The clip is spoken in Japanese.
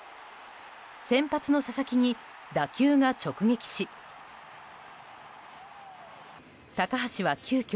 先発の佐々木に打球が直撃し高橋は急きょ